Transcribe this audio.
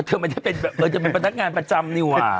เธอจะเป็นพนักงานประจำนี่ว่ะ